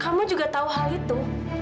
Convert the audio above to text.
kamu juga tahu hal itu